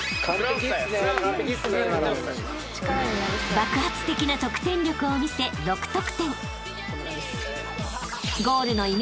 ［爆発的な得点力を見せ６得点］